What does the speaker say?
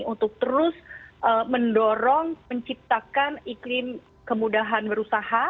untuk terus mendorong menciptakan iklim kemudahan berusaha